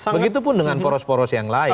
begitupun dengan poros poros yang lain